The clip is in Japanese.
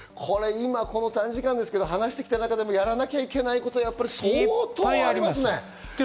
短時間ですけど、話してきた中でやらなきゃいけないこと相当ありますね。